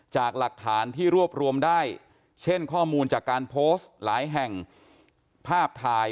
จากหลักฐานที่รวบรวมได้เช่นข้อมูลจากการโพสต์หลายแห่งภาพถ่าย